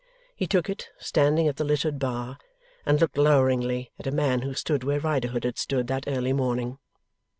He took it, standing at the littered bar, and looked loweringly at a man who stood where Riderhood had stood that early morning.